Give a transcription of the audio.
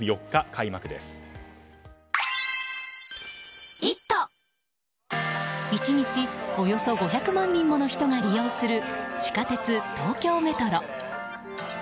１日およそ５００万人もの人が利用する地下鉄東京メトロ。